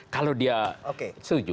kalau dia setuju